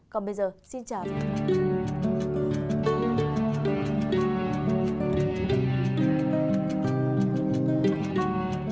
còn bây giờ xin chào